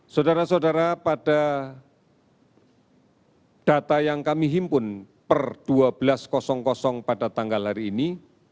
saudara saudara pada data yang kami himpun per dua belas pada tanggal hari ini